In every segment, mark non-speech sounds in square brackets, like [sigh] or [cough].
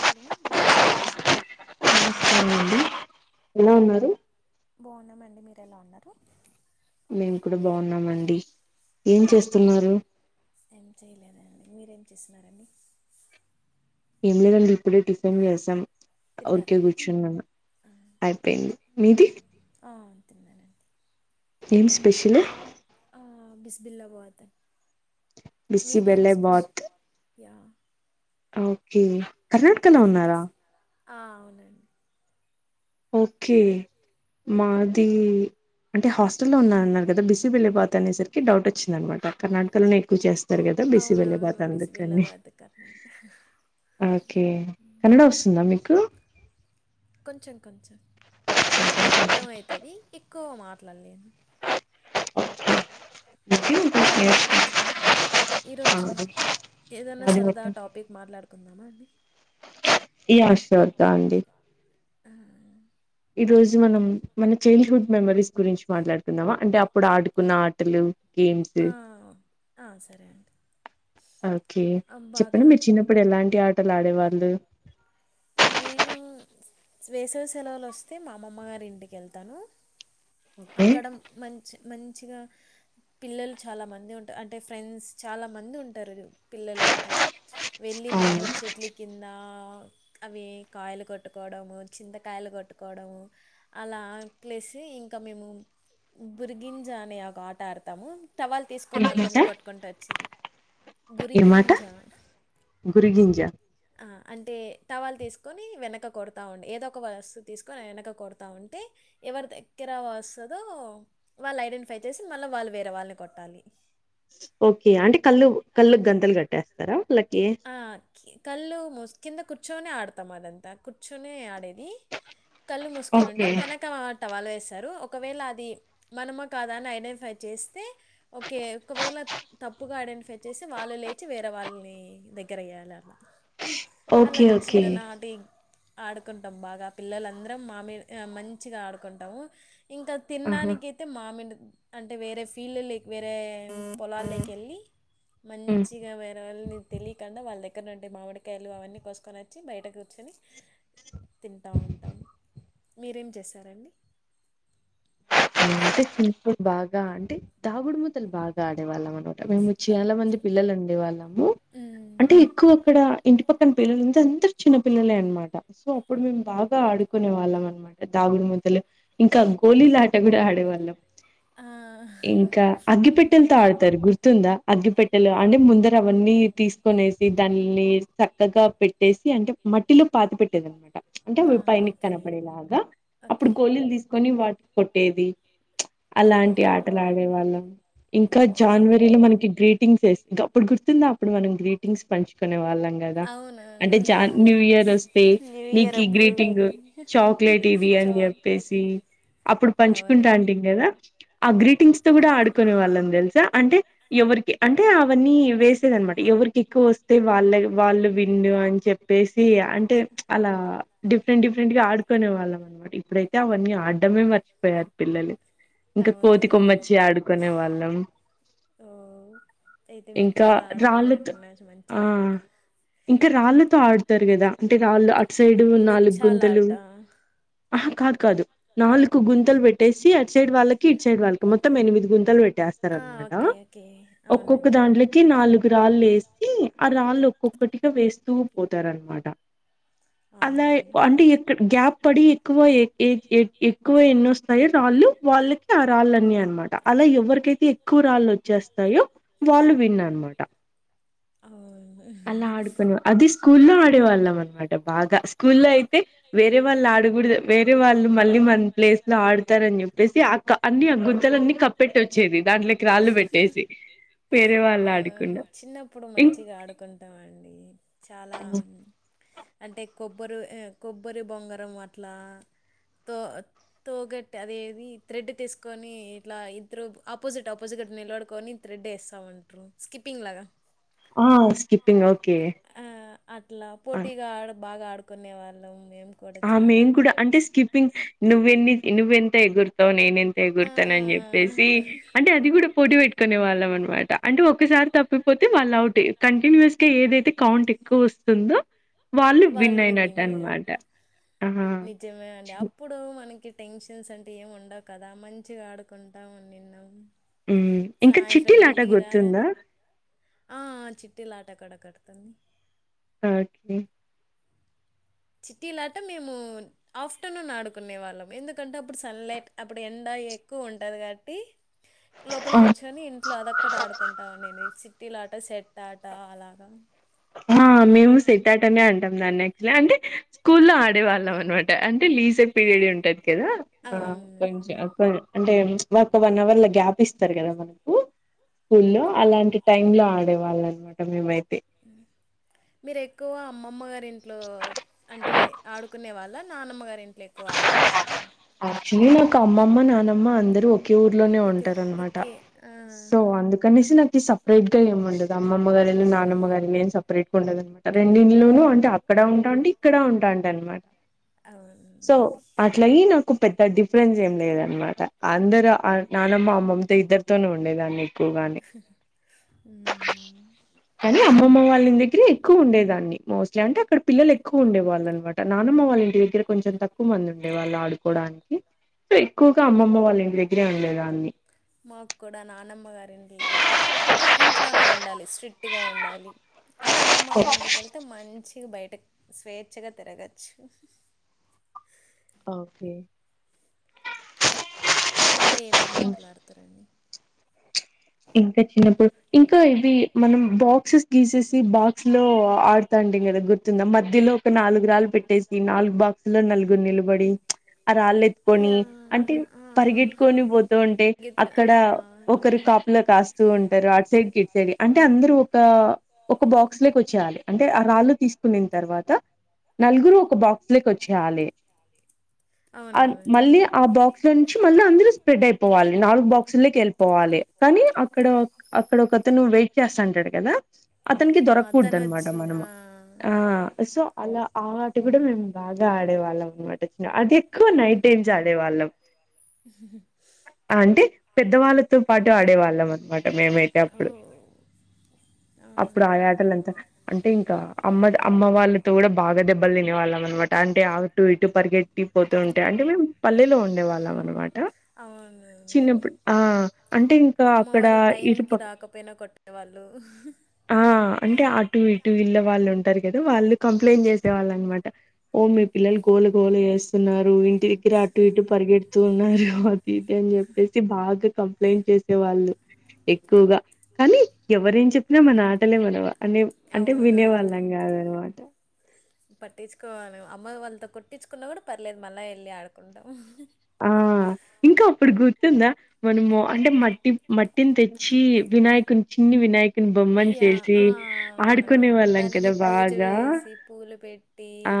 Hello నమస్కారం నమస్కారం అండి ఎలా ఉన్నారు బాగున్నామండి మీరు ఎలా ఉన్నారు మేము కూడా బాగున్నామండి ఏం చేస్తున్నారు ఏం చేయలేదండి మీరేం చేస్తున్నరండి ఏం లేదండి ఇప్పుడే టిఫిన్ చేసాం తిన్నారా ఊరికే కూర్చున్నను ఆ అయిపోయింది మీది నడి ఏం స్పెషల్ బిళ్ళ వాత బిస్సి బెళ్ళే బత్ యా ఓకే కర్ణాటకలో మీరేం ఉన్నారా చేస్త ఆ అవునండి ఓకే మాది అంటే హాస్టల్లో ఉన్నా అన్నారు కదా బిస్సి బిళ్ళే బాత్ అనేసరికి డౌట్ వచ్చిందంట కర్ణాటకలోనే ఎక్కువ చేస్ అవునవును బిస్ బిళ్ళ బత్ కర్ ఓకే కన్నడ వస్తుందా మీకు కొంచెం కొంచెం అర్థమవుతది ఇక్కువ మాట్లడలేను ఇ మీక్ వచ్చా ఈరోజు ఏదైనా అది సరదా టాపిక్ మాట్లాడుకుందామా అండి య సర్ద్ అండి ఆ ఈ రోజు మనం మన చైల్డ్ హుడ్ మెమరీస్ గురించి మాట్లాడుకుందామా అంటే అప్పుడు ఆడుకున్న ఆటలు గేమ్స్ సరే అండి ఓకే ఆ, చెప్పండి బాగా మీరు చిన్నప్పుడు ఎలాంటి ఆటలు ఆడేవాళ్ళు నేను వేసవి సెలవులు వస్తే మా అమ్మమ్మ గారి ఇంటికి వెళ్తాను ఓకే అక్కడ మంచి మంచిగా పిల్లలు చాలామంది ఉంట్ అంటే ఫ్రెండ్స్ చాలామంది ఉంటారు పిల్లలంతా వెళ్ళి అవును మామిడి చెట్ల కింద అవి కాయలు కొట్టుకోవడం చింతకాయలు కొట్టుకోవడం అలా ప్లేస్ ఇంకా మేము బురిగింజ అనే ఆ ఆట ఆడతాము తవాలు తీసుకొని అందరినీ ఏమాట కొట్టుకుంటూ వచ్చేది బరిగంజ కురిగింజ అంటే టవాలు తీసుకొని వెనక కొడుతా ఉండి ఏదో ఒక వస్తువు తీసుకొని వెనక కొడుత ఉంటే ఎవరి దగ్గర వస్తదో వాళ్ళు ఐడెంటిఫై చేసి మళ్ళీ వాళ్ళు వేరే వాళ్ళని కొట్టాలి ఓకే అంటే కళ్ళు కళ్ళు గంతలు కట్టేస్తారా వాళ్ళకి ఆ కళ్ల్ు ముస్ కింద కుర్చోనే ఆడుతామదంతా కుర్చునే ఆడే ని కళ్ళు మూసుకోని ఓకే ఉంటాం వెనక టావలేస్ టరు ఒకవేళ అది మనమా కదా ఇదేంటి ఫై చేస్తే ఒకే ఒకవేళ తప్ ట్ గ ఐడెంట్ ఫై చేసి వాళ్ళు లేచి వేరే వాళ్ళని దగ్గర వేయాల ఓకే అలా ఓకే చిన్ననాటి ఆడుకుంటాం బాగా పిల్లలందరం మామ మంచిగా ఆడుకుంటాము ఇంకా ఆహా తినడానికి అయితే మామిని అంటే వేరే ఫీల్డ్ లేక్ వేరే పొలాల్లోకి వెళ్ళి మంచిగా వేరవని వాళ్ళ దగ్గర ఉంటే మామిడికాయలు అవన్నీ కోసుకొని వచ్చి బయట కూర్చొని తింటా ఉంటాం మీరేం చేశారండి అంటే బాగా అంటే దాగుడు ముతలు బాగా ఆడేవాళ్ళ అన మేము చాలా మంది ఓకే పిల్లలు ఉండే వాళ్ళము మ్మ్. అంటే ఎక్కువ అక్కడ ఇంటి పక్కన పిల్లలుంది అందరు చిన్న పిల్లలే అనమాట సో అప్పుడు మేము బాగా ఆడుకునే వాళ్ళం అనమాట ద దాగుడు మూతలు ఇంకా గోళీలు ఆట కూడా ఆడేవాళ్ళం ఆ, ఇంకా అగ్గిపెట్టెలతో ఆడతారు గుర్తుందా అగ్గిపెట్టెలు అంటే ముందర అవన్నీ తీసుకొనేస్ దానిని చక్కగా పెట్టేసి అంటే మట్టిలో పాతి పెట్టేది అనమాట అంటే అవి ఆహా పైనికి కన తెలియ పడేలాగా అప్పుడు ఓకే గోళీలు తీసుకొని వాటి కొట్టేది ఓ అలాంటి ఆటలు ఆడే వాళ్ళం ఇంకా బాగున్నాయి జనవరిలో మనకి గ్రీటింగ్స్ వేస్ అప్పుడు గుర్తుంది అప్పుడు మనం గ్రీటింగ్స్ పంచుకునే వాళ్ళం కదా అంటే అవునవును జన్ న్యూ ఇయర్ వస్తే న్యూ నీకు ఇయర్ ఈ అప్పుడు గ్రీటింగ్ చాక్లెట్ ఇది అని చాక్ చెప్పేసి అప్పుడు పంచుకుంటా అవునండి ఉంటిమి కదా ఆ గ్రీటింగ్స్ తో కూడా ఆడుకునే వాళ్ళం తెలుసా అంటే ఎవరికి అంటే అవన్నీ వేసేది అనమాట ఎవ్ ఎవరికి ఎక్కువ వస్తే వాళ్ళ వాళ్ళు విన్ అని చెప్పేసి అన్ ట్ అలా డిఫరెంట్ డిఫరెంట్ గా ఆడుకుొనే వాళ్ళం అనమాట ఇప్పుడైతే అవన్నీ ఆ డ్డమే మర్చిపోయారు పిల్లలు ఇంకా కోతి అవునవును కొమ్మచ్చి ఆడుకునే వాళ్ళం ఓ అయితే మీరు ఇంకా చాలా రాలత్ ఆడుకున్నట్టున్నారు ఆ మంచిగా ఇంకా రాల్లత్ తో ఆడతారు కదా అంటే రాళ్లు అట్ సైడ్ నాలుగు గుంతలు బిచ్చాలాట ఆహా కాదు కాదు నాలుగు గుంతలు పెట్టేసి అటు సైడ్ వాళ్ళకి ఇటు సైడ్ వాళ్ళకి మొత్తం ఎనిమిది గుంతలు పెట్ ఆ! చేస్తారన్నమాట ఓకే. ఓకే. ఒక్కొక్క అవునండి. దాంలో నాలుగు రాళ్ళు వేసి ఆ రాళ్ళు ఒక్కొక్కటిగా వేస్తూ పోతారన్నమాట అలా అవును. అంటే ఎ గ్యాప్ పడి ఎక్కువ ఏక్ ఏ ఏ జ్ ఎక్కువ ఎన్నిొస్తాయో రాళ్ళు వాళ్ళకి ఆ రాళ్ళన్నమాట అలా ఎవరికైతే ఎక్కువ రాళ్ళు వచ్చేస్తాయో వాళ్ళు విన్న అన్ మాట అలా ఆడుకునే అది స్కూల్లో ఆడే వాళ్ళం అనమాట బాగా స్కూల్లో అయితే వేరే వాళ్ళు ఉండకూడదు వేరే వాళ్ళు మళ్ళీ మన ప్లేస్లో ఆడుతారని చెప్పేసి అన్ని ఆ గుంతలన్నీ అవును. కప్పెట్టి వచ్చేది దాంట్లోకి రాళ్ళు పెట్టేసి వేరే వాళ్ళు అవును ఆడకుండా చిన్నప్పుడు ఇం మంచిగా ఆడుకుంటామండి చాలా అంటే కో బ్బరి ఆ కొబ్బరి బొంగరం అట్లా తో తోగట్టి అదేది థ్రెడ్ తీసుకొని ఇట్లా ఇద్దరు ఆపోజిట్ ఆపోజిట్ నిలబడుకొని త్రెడ్ ఏస్తావుంటిమి స్కిప్ ప్పింగ్ లాగా ఆ స్కిప్పింగ్ ఓకే ఆ, కోనే వాళ్ళం మేము కూడా ఆ చాలా మేం కూడా అంటే స్కిప్పింగ్ నువ్వెన్ని నువ్వెంత ఎగురతావ్ నేనెం ఆ ఎగురుతానని చెప్పేసి అంటే అది కూడా పోటీ పెట్టుకునే వాళ్ళం అనమాట అంటే ఒకసారి తప్పిపోతే వాళ్ళు అవుట్ కంటిన్యూస్గా ఏదైతే కౌంట్ ఎక్కువ వస్తుందో వాళ్ళే విన్ వాళ్ళు అయినట్టు విన్నారు అనమాట ఆ నిజమే అండి చి అప్పుడు మనకి టెన్షన్స్ అంటే ఏం ఉండవు కదా మంచిగా ఆడుకుంటా ఉనిన్నం ఉమ్మ్ ఇంకా చిట్టీలాటా గుర్తుందా ఆఆ చిట్ట్టటిలాటక్కడ కడుతుంది ఓకే చిట్టీలాట మేము ఆఫ్టర్నూన్ ఆడుకునే వాళ్ళం ఎందుకంటే అప్పుడు సన్ లైట్ అప్పుడు ఎండా ఎక్కువ ఉంటది కాబట్టి లోపల ఆ కూర్చుని ఇంట్లో అదొక్కటి ఆడుకుంటావుండిని చి ట్టిలాట సెట్ ఆట అలాగా ఆ మేము సెట్టాటనే అంటాం దాన్ని యాక్చుల్లీ అంటే స్కూల్లో ఆడేవాళ్ళం అనమాట అంటే లీజర్ పీరియడ్ ఉంటది కదా ఆ అవును కొంచెం అంటే ఒక వన్ అవర్ లో గ్యాప్ ఇస్తారు కదా మనకు స్కూలో అలాంటి టైమ్లో ఆడే వాళ్ళు అనమాట మేమైతే మీరు ఎక్కువ అమ్మమ్మ గారి ఇంట్లో అంటే ఆడుకునే వాళ్ళ నానమ్మ గారి ఇంట్లో ఎక్కువ ఆడుకు కునే వాళ్ళ యాక్చువల్లీ నాకు అమ్మమ్మ నానమ్మ అందరూ ఒకే ఊర్లోనే ఓకే ఉంటారు అనమాట ఓకే ఆ, సో అందుకనేసి నా కి సపరేట్‌గా ఏం ఉండదు అమ్మమ్మ గారి ఇల్లు నానమ్మ గారు ఇల్లు ఏం సపరేట్‌గా ఉండదు అనమాట రెండు ఇండ్లును అంటే అక్కడ ఉంటాంటి ఇక్కడ ఉంటాంటి అనమాట అవునండి సో అట్లాయి నాకు పెద్ద డిఫరెన్స్ ఏం లేదనమాట అందరుూ నానమ్మ అమ్మమ్తో ఇద్దరుతోనే ఉండేదాన్ని ఎ పోగానే ఉమ్మ్ కానీ అమ్మమ్మ వాళ్ల దగ్గరే ఎక్కువ ఉండే దాన్ని మోస్ట్లీ అంటే అక్కడ పిల్లలు ఎక్కువ ఉండేవాళ్ళు అనమాట నాన్నమ్మ వాళ్ళ ఇంటి దగ్గర కొంచెం తక్కువ మంది ఉండే వాళ్ళు ఆడుకోడానికి సో ఎక్కువగా అమ్మమ్మ వాళ్ళ ఇంటి దగ్గరే ఉండేదాన్ని ఇలో అయితే ఇంట్లోనే ఉండాలి స్ట్రిక్ట్గా ఉండాలి అది అమ్మమ్మ గారు ఇంటికేళ్తే మంచి బయటకి స్వేచ్ఛగా తిరగచ్చు ఓకే ఇంకా ఏమేమి ఉ ఆటలాడుతారండి ఇంకా చిన్నప్పుడు ఇంకా ఇవి మనం బాక్సెస్ తీసేసి బాక్స్‌లో ఆడు తాంటిమి కదా గుర్తుందా మధ్యలో ఒక నాలుగు రాళ్ళు పెట్టేసి నాలుగు బాక్సులో నలుగురు నిలబడి ఆ రాళ్ళు ఎత్తుకొని యా అంటే పరిగెట్టుకొని పోతూ ఉంటే గీతిక ఆ అక్కడ ఒకరు కాపు కాపల కాస్తు ఉంటారు అట్ సైడ్ [unintelligible] అంటే అందరు ఆ ఒక్క వచ్చేయాలి అంటే ఆ రాళ్ళు తీసుకునిన్ తర్వాత నలుగురు ఒక బాక్స్ లోకి వచ్చేయాలి అ అవునవును మళ్ళీ ఆ బాక్స్ నుంచి మళ్ళ అందరు స్ప్రెడ్ అయిపోవాలి నాలుగు బాక్సుల్లోకి ఎళ్ళిపోవాలి కానీ అక్కడ అక్కడ ఒక అతను వెయిట్ చేస్తాంటాడు కదా అతనికి ఆ దొరకూడదు తను అనమాట వచ్చి ఆ మనము ఆ సో అలా ఆ ఆట కూడా మేము బాగా ఆడేవాళ్ళం అనమాట అంటే ఎక్కు నైట్ టైమ్స్ ఆడేవాళ్ళం అంటే పెద్దవాళ్ళతో పాటు ఆడేవాళ్ళం అనమాట మేమైతే ఓ అప్పుడు అప్పుడు ఆ ఆటలంతా అంటే ఇంకా అమ్మ అమ్మ వాళ్ళు కూడా బాగా దెబ్బలు తినేవాళ్ళం అనమాట అంటే అటు ఇటు పరిగెట్టి పోతు ఉంటే అంటే మేము పల్లెలో ఉండే వాళ్ళం అనమాట అవునవును చిన్నప్పుడు ఆ అంటే ఇంకా అమ్మ అక్కడ వాళ్ళు టైంకి ఇటుపక్క రాకపోయినా కొట్టేవాళ్ళు ఆ అంటే అటు ఇటు ఇళ్ల వాళ్ళు ఉం ఉంటారు కదా వాళ్ళు కంప్లైంట్ చేసేవాళ్ళనమాట ఓ మీ పిల్లలు గోల గోల చేస్తున్నారు ఇం ఇక్కడ అటు ఇటు పరిగెడుతున్నారు అది ఇది అని చెప్పేసి బాగా కం చేసే వాళ్ళు ఎక్కువగా కానీ ఎవరేం చెప్పినా మన ఆటలే మనవా అంటే వినేవాళ్ళం అవునవునండి కాదనమాట అమ్మయి వాళ్ళతో కొట్టించుకున్న కూడా పర్లేదు మళ్ళా వెళ్ళి ఆడుకుంటాం ఆ ఇంకా అప్పుడు గుర్తుందా మనము అంటే మట్టి మట్టిని తెచ్చి వినాయకుని చిన్ని వినాయకు యా ఆ అవునవును వాళ్ళం దానికి కదా పూజ బాగా. చేసి పూలు పెట్టి ఆ!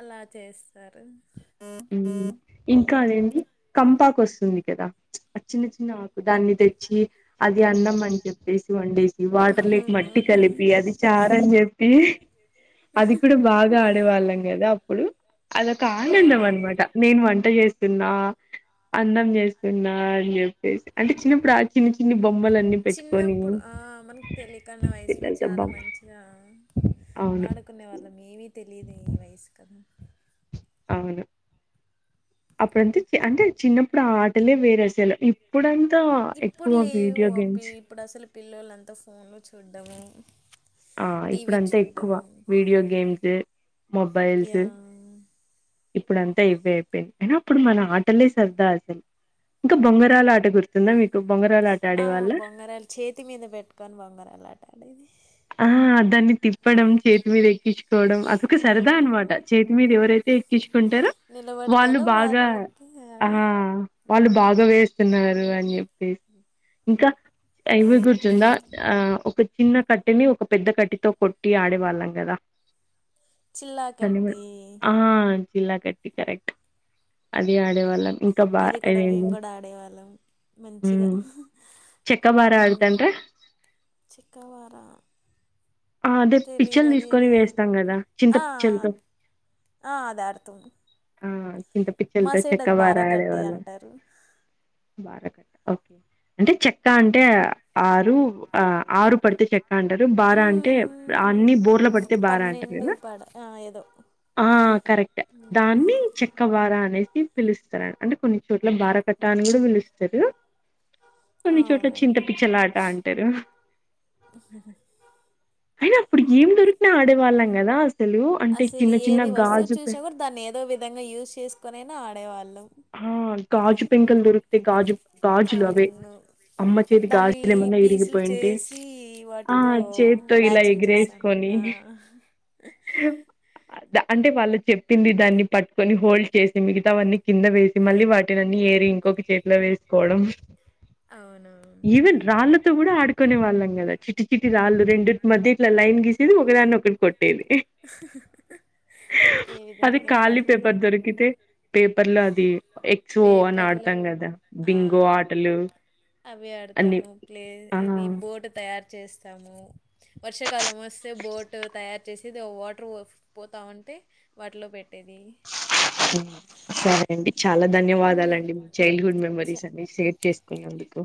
అలా చేస్తారు ఇంకా అదేంటి కంపాకు వస్తుంది కదా అది చిన్న చిన్న ఆకు దాన్ని తెచ్చి అది అన్నం అని చెప్పేసి వండేసి ఈ వాటర్ లేకి మట్టి అవునవును కలిపి అది చార అని చెప్పి అది కూడా బాగా ఆడేవాళ్ళం కదా అప్పుడు అద ఒక ఆనందం అవునవును అనమాట నేను వంట చేస్త వంట చేస్తున్నా అన్నం చేస్తున్నా అని చెప్పేసి అంటే చిన్నప్పుడు చఆడుకునే చిన్న బొమ్మలన్నీ పెట్టుకొని చిన్నప్పుడు ఆ మనకు తెలికన్నా వయసులో పిల్లలతో చాలా బొమ్ మంచిగా అవును ఆడుకునే వాళ్ళం ఏమి తెలియని వయసు కదా అవును అప్పుడంతే అంటే చిన్నప్పుడు ఆ ఆటలే వేరేసలు ఇప్పుడంత ఇప్పుడు లేవు అవి ఇప్పుడు అసలు పిల్లలంతా ఫోన్లు చూడము ఆ ఇప్పుడంతా ఎక్కువ వీడియో గేమ్స్ యా ఇప్పుడం తా ఇవే అయిపోయింది అయినా అప్పుడు మన ఆటలే సరదా అసలు ఇంకా బొంగరాల ఆట గుర్తుందా మీకు బొంగరాల ఆట ఆ ఆడేవాళ్ళ బొంగరాలు చేతి మీద పెట్టుకొని బొంగారలు ఆడేది ఆ దాన్ని తిప్పడం చేతి మీద ఎక్కి కోవడం అదొక ఆ! సరదా అనమాట చేతి మీద ఎవరైతే ఎక్కించుకుంటారో వాళ్ళు నిలబడతదో బాగా వాళ్ళకి ఆ వాళ్ళు బాగా వేస్తున్నారు అని చెప్పేసి ఇంకా ఇవి గుర్తుందా ఆ! ఆ ఒక చిన్న కట్ కట్టిని ఒక పెద్ద కట్టితో కొట్టి ఆడేవాళ్ళం కదా చిల్లాకట్టి ఆ ఇల్లా కట్టి కరెక్ట్ అది ఆడేవాళ్ళం ఇంకా బా అది కూడా మేము ఇదేంది కూడా ఆడేవాళ్ళం మంచిగా కబాడీ ఆడ్ థాంట్రా చిక్కవారా ఆ అదే పిచ్చలు తీసుకొని ఇది వేస్తాం కదా చింత ఆ, పిచ్చల్తో ఆ అది ఆడ్తామ్ చింత పిచ్చల్తో చక్క బార ఆడే కట్టి వాళ్ళం అంటారు ఓకే అంటే చెక్క అంటే ఆరు ఆ ఆరు పడితే చెక్క అంటారు బ అంటే అన్ని మ్మ్. బోర్ల పడితే బారా అంటారు పన్నెండు కదా పడ ఆ, ఏదో ఆ కరెక్ట్ దాన్ని చెక్క బారా అనేసి పిలుస్తార అంటే కొన్ని చోట్ల బార కట్ట అని కూడా పిలుస్తారు కొన్ని చోట్ల చింత అవునండి పిచ్చలాట అంటరు అయినా అప్పుడు ఏం దొరికిన ఆడేవాళ్ళం కదా అసలు అంటే అసలు చిన్న చిన్న ఏది వస్తువు గాజు పే చూసినా కూడా దాన్ని ఏదో విధంగా యూజ్ చేసుకోనైనా ఆడేవాళ్ళం ఆ గాజు పెంకల్ దొరుకుతే గాజు గాజులు అవే అవును అమ్మ చేతి దాన్ని గాజులేమన్నా పీసులు ఇరిగిపోయింటే చేసి వాటితో మ్యాచింగ్ చేస అదా అంటే వాళ్ళు చెప్పింది దాన్ని పట్టుకొని హోల్డ్ చేసి మిగతావన్నీ కింద వేసి మళ్ళీ వాటినన్ని ఏరి ఇంకొక చేతిలో వేసుకోవడం అవును ఈవెన్ రాళ్ళతో కూడా ఆడుకునే వాళ్ళం కదా చిట్టి చిట్ రాళ్ళు రెండుట మధ్య ఇట్లా లైన్ గీసేది ఒక దాన్ని ఒకటి కొట్ ట్టేది ఏవి అది దొరికినా కాలీ ఆడుకునే పేపర్ దొరికితే పేప్ అట్లా అది ఎక్స్వో అని పేపర్లు ఆడతాం కదా ఆ బింగో ఆటలు అవి అన్ని ఆడతాము ప్లే ఆ ఇది బోటు తయారు చేస్తాము వర్షాకాలం వస్తే బోట్ తయరు చేసి ఏదో వాటర్ ఫో పోతావుంటే వాటిలో పెట్ట సరే అండి చాలా ఉమ్ ధన్యవాదాలండి మీ చైల్డ్ హుడ్ మెమరీస్ అని షేర్ చేసుకున్నందుకు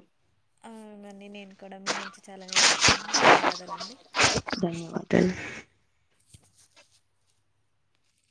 అవునండి నేను కూడా మీ నుంచి చాలా నేర్చుకున్నాను ధన్యవాదాలండి ధన్యవాదాలు